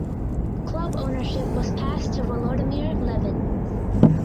Club ownership was passed to Volodymyr Levin.